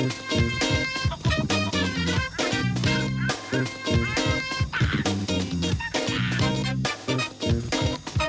สวัสดีค่ะ